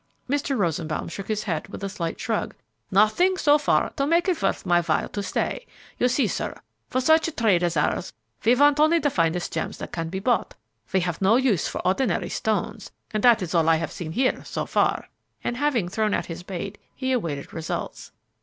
Mr. Rosenbaum shook his head with a slight shrug. "Nothing so far to make it worth my while to stay. You see, sir, for such a trade as ours we want only the finest gems that can be bought; we have no use for ordinary stones, and that is all I have seen here so far;" and, having thrown out his bait, he awaited results.